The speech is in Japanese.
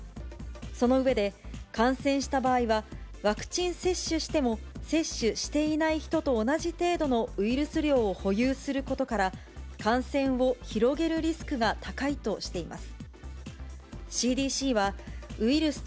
その上で、感染した場合は、ワクチン接種しても、接種していない人と同じ程度のウイルス量を保有することから、感染を広げるリスクが高いとしています。